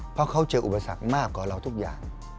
เพราะเขาเจออุปสรรคมากกว่าเราทุกอย่าง